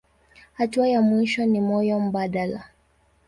Hatua ya mwisho ni moyo mbadala.